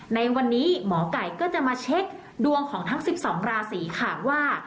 ในวันนี้หมอไก่ก็จะมาเช็คดวงของทั้ง๑๒ราศีค่ะว่า